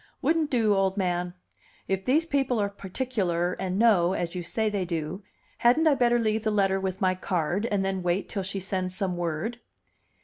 "Wouldn't do, old man. If these people are particular and know, as you say they do, hadn't I better leave the letter with my card, and then wait till she sends some word?"